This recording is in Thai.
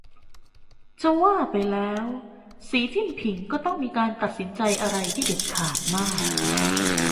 จะว่าไปแล้ว สี จิ้นผิง ก็ต้องมีการตัดสินใจอะไรที่เด็ดขาดมาก